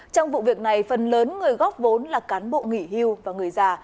trong vụ việc này phần lớn người góp vốn là cán bộ nghỉ hưu và người già